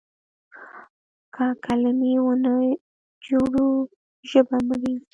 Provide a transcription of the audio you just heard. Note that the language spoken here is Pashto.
که کلمې ونه جوړو ژبه مري.